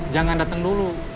jangan dateng dulu